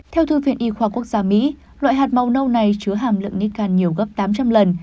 theo thư viện y khoa quốc gia mỹ loại hạt màu nâu này chứa hàm lượng nican nhiều gấp tám trăm linh lần